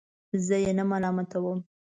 زه یې نه ملامتوم.